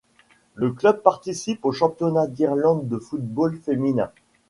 Le club participe au championnat d'Irlande de football féminin.